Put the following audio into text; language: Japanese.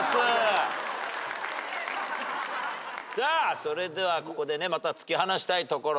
さあそれではここでねまた突き放したいところ。